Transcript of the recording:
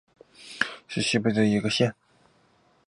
红湖县是美国明尼苏达州西北部的一个县。